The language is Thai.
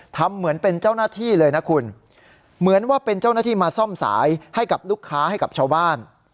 ทำเหมือนเป็นเจ้าหน้าที่เลยนะคุณเหมือนว่าเป็นเจ้าหน้าที่มาซ่อมสายให้กับลูกค้าให้กับชาวบ้าน